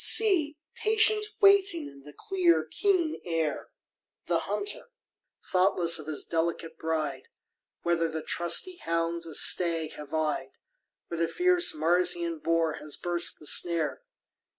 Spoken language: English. See, patient waiting in the clear keen air, The hunter, thoughtless of his delicate bride, Whether the trusty hounds a stag have eyed, Or the fierce Marsian boar has burst the snare.